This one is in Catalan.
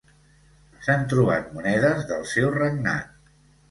S'han trobat monedes del seu regnat.